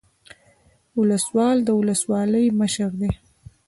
ولسوال د ولسوالۍ مشر دی